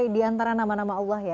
oke diantara nama nama allah ya